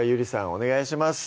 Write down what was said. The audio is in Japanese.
お願いします